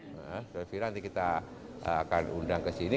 pak fira nanti kita akan undang ke sini